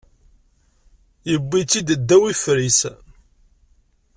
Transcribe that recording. Iwwi-tt-id ddaw ifer-is.